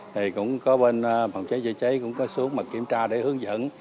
thì cũng có bên phòng trái chữa trái cũng có xuống kiểm tra để hướng dẫn